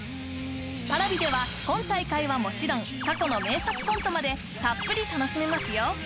Ｐａｒａｖｉでは今大会はもちろん過去の名作コントまでたっぷり楽しめますよ